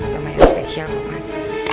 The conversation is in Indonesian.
lumayan spesial kok mas